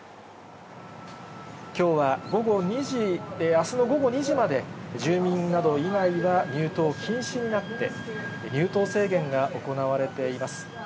きょうは午後２時、あすの午後２時まで、住民など以外は入島禁止になって、入島制限が行われています。